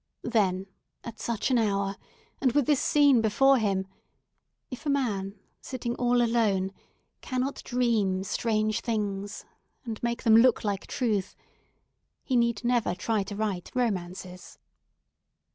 Then, at such an hour, and with this scene before him, if a man, sitting all alone, cannot dream strange things, and make them look like truth, he need never try to write romances.